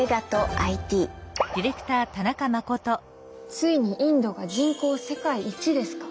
ついにインドが人口世界一ですか。